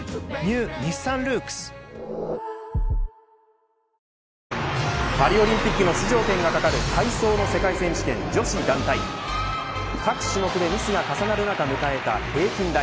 そして女子５０００メートルでもパリオリンピックの出場権が懸かる体操の世界選手権女子団体各種目でミスが重なる中迎えた平均台。